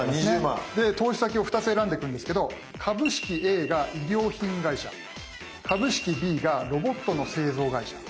で投資先を２つ選んでいくんですけど株式Ａが衣料品会社株式Ｂがロボットの製造会社。